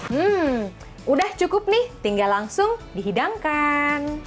hmm udah cukup nih tinggal langsung dihidangkan